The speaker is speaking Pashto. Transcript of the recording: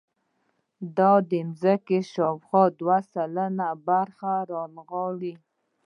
دا د ځمکې شاوخوا دوه سلنه برخه رانغاړي.